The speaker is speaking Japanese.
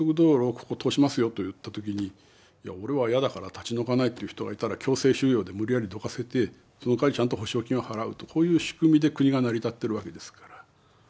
ここ通しますよといった時に俺は嫌だから立ち退かないという人がいたら強制収用で無理やりどかせてそのかわりちゃんと補償金を払うとこういう仕組みで国が成り立ってるわけですから。